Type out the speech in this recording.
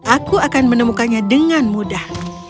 aku akan menemukannya dengan mudah